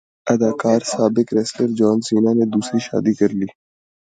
اداکار سابق wrestler John Cena نے دوسری شادی کرلی